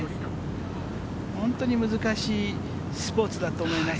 本当に難しいスポーツだと思います。